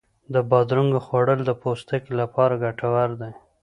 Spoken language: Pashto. د بادرنګو خوړل د پوستکي لپاره ګټور دی.